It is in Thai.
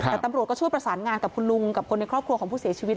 แต่ตำรวจก็ช่วยประสานงานกับคุณลุงกับคนในครอบครัวของผู้เสียชีวิต